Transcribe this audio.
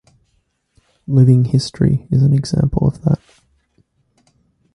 "Living History" is an example of that.